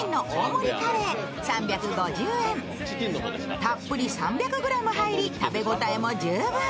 たっぷり３００ｇ入り、食べ応えも十分。